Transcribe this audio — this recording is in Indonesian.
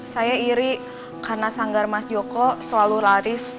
saya iri karena sanggar mas joko selalu laris